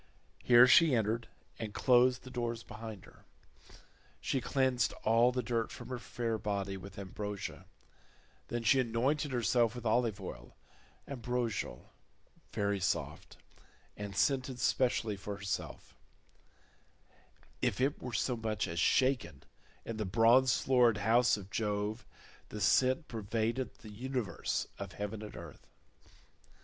Here she entered and closed the doors behind her. She cleansed all the dirt from her fair body with ambrosia, then she anointed herself with olive oil, ambrosial, very soft, and scented specially for herself—if it were so much as shaken in the bronze floored house of Jove, the scent pervaded the universe of heaven and earth.